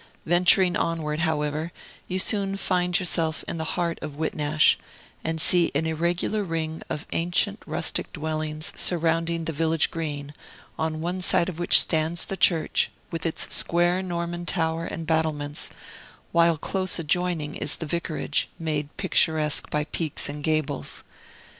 Venturing onward, however, you soon find yourself in the heart of Whitnash, and see an irregular ring of ancient rustic dwellings surrounding the village green, on one side of which stands the church, with its square Norman tower and battlements, while close adjoining is the vicarage, made picturesque by peaks and gables.